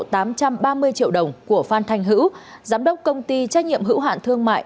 tám trăm ba mươi triệu đồng của phan thanh hữu giám đốc công ty trách nhiệm hữu hạn thương mại